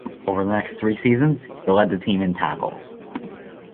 Over the next three seasons, he led the team in tackles.